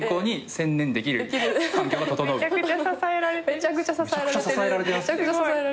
めちゃくちゃ支えられてる。